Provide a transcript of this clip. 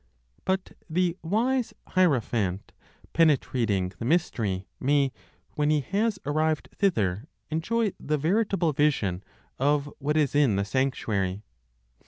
But the wise hierophant, penetrating the mystery, may, when he has arrived thither, enjoy the veritable vision of what is in the sanctuary.